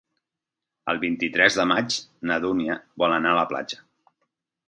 El vint-i-tres de maig na Dúnia vol anar a la platja.